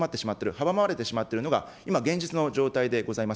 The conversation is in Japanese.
阻まれてしまっているのが、今、現実の状態でございます。